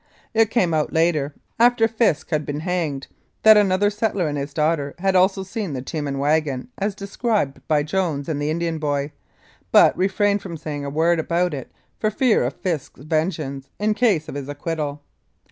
It came out later, after Fisk had been hanged, that another settler and his daughter had also seen the team and wagon as described by Jones and the Indian boy, but refrained from saying a word about it for fear of Fisk's vengeance in .case of his acquittal.